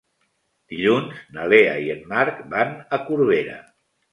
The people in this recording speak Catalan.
Dilluns na Lea i en Marc van a Corbera.